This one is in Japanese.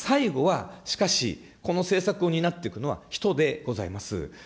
最後はしかし、この政策を担っていくのは人でございます。